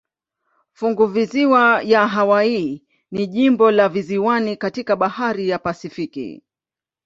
Funguvisiwa ya Hawaii ni jimbo la visiwani katika bahari ya Pasifiki.